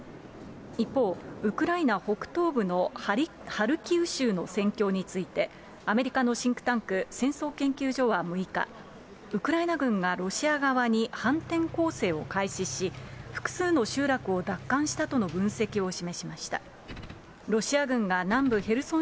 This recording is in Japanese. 一方、ウクライナ北東部のハルキウ州の戦況について、アメリカのシンクタンク、戦争研究所は６日、ウクライナ軍がロシア側に反転攻勢を開始し、複数の集落を奪還したとの分析を示しました。